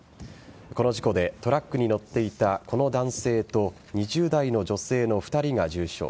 この事故でトラックに乗っていたこの男性と２０代の女性の２人が重傷。